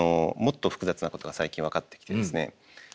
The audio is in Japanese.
もっと複雑なことが最近分かってきてですね